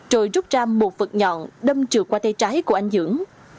rồi rút ra một vật nhọn đâm trượt qua tay trái của anh dưỡng